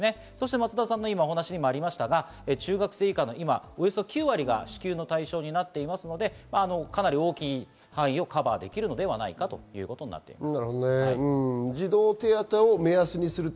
松田さんの話もありましたが、中学生以下のおよそ９割が支給の対象になっていますので、かなり大きい範囲をカバーできるのではないかということです。